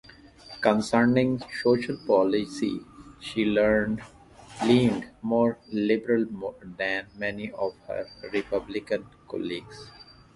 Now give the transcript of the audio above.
Concerning social policy, she leaned more liberal than many of her Republican colleagues.